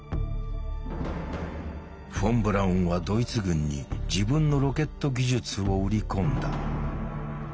フォン・ブラウンはドイツ軍に自分のロケット技術を売り込んだ。